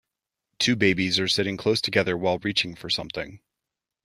Two babies are sitting close together while reaching for something.